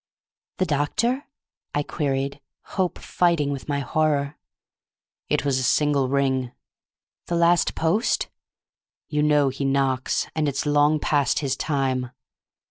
"The doctor?" I queried, hope fighting with my horror. "It was a single ring." "The last post?" "You know he knocks, and it's long past his time."